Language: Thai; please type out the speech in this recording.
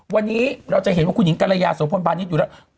วันนี้เราจะเห็นว่าคุณหญิงกัลยาสวมพลบานิดอยู่แล้ว